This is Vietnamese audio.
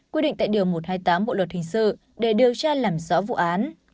quy định tại điều một trăm hai mươi tám bộ luật hình sự để điều tra làm rõ vụ án